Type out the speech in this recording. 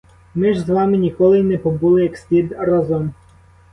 Ми ж з вами ніколи й не побули як слід разом.